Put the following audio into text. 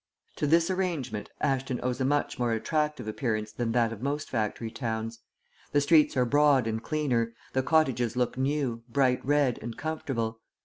To this arrangement Ashton owes a much more attractive appearance than that of most factory towns; the streets are broad and cleaner, the cottages look new, bright red, and comfortable.